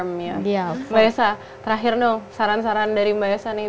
mbak esa terakhir dong saran saran dari mbak esa nih